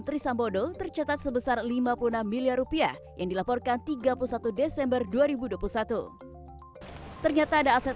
trisambodo tercatat sebesar lima puluh enam miliar rupiah yang dilaporkan tiga puluh satu desember dua ribu dua puluh satu ternyata ada aset